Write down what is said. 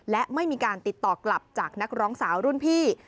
และไม่มีการติดต่อกลับจากนักร้องสาวรุ่นพี่